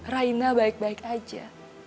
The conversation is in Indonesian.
raina baik baik aja